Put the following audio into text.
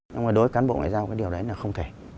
nhưng mà đối với cán bộ ngoại giao cái điều đấy là không thể